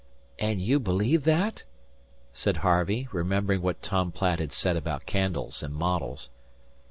"And you believe that?" said Harvey, remembering what Tom Platt had said about candles and models.